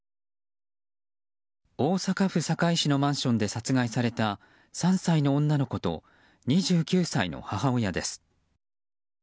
大阪府堺市のマンションで殺害された３歳の女の子と２９歳の母親です。